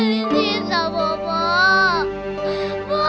aku ingin pergi ke tempat yang lebih baik papa